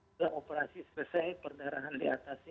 setelah operasi selesai perdarahan diatasi